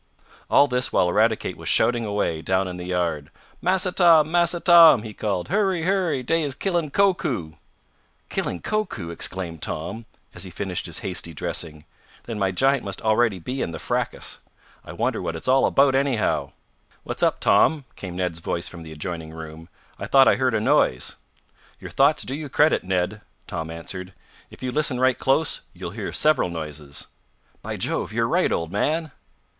All this while Eradicate was shouting away, down in the yard. "Massa Tom! Massa Tom!" he called. "Hurry! Hurry! Dey is killin' Koku!" "Killing Koku!" exclaimed Tom, as he finished his hasty dressing. "Then my giant must already be in the fracas. I wonder what it's all about, anyhow." "What's up, Tom?" came Ned's voice from the adjoining room. "I thought I heard a noise." "Your thoughts do you credit, Ned!" Tom answered. "If you listen right close, you'll hear several noises." "By Jove! You're right, old man!"